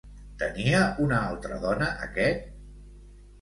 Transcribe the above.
Tenia una altra dona aquest?